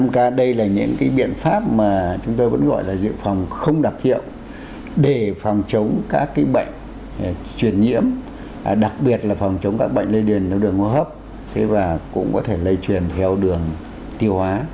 năm k đây là những biện pháp mà chúng tôi vẫn gọi là dự phòng không đặc hiệu để phòng chống các bệnh truyền nhiễm đặc biệt là phòng chống các bệnh lây đền theo đường hô hấp và cũng có thể lây truyền theo đường tiêu hóa